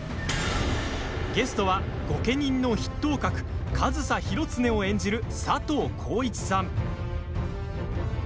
ゲストは、御家人の筆頭格上総広常を演じる佐藤浩市さん。